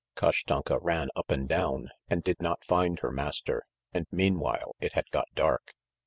Kashtanka ran up and down and did not find her master, and meanwhile it had got dark.